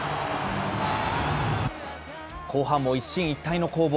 後半も一進一退の攻防。